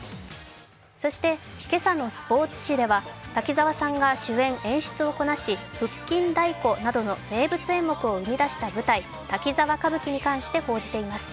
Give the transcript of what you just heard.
今朝のスポーツ紙では滝沢さんが主演・演出をこなし腹筋太鼓などの名物を生み出した滝沢歌舞伎に関して報じています。